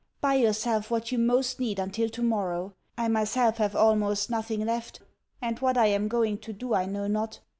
Buy yourself what you most need until tomorrow. I myself have almost nothing left, and what I am going to do I know not.